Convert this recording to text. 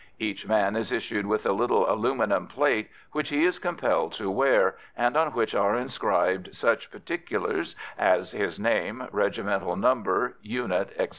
Each man is issued with a little aluminium plate which he is compelled to wear, and on which are inscribed such particulars as his name, regimental number, unit, etc.